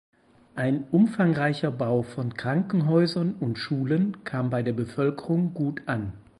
Ein umfangreicher Bau von Krankenhäusern und Schulen kam bei der Bevölkerung gut an.